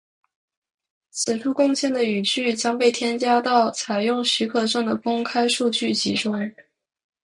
此处贡献的语句将被添加到采用许可证的公开数据集中。